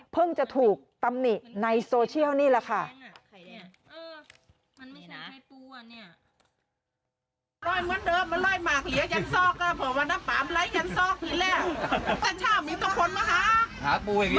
จะถูกตำหนิในโซเชียลนี่แหละค่ะ